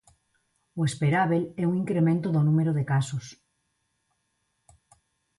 O esperábel é un incremento do número de casos.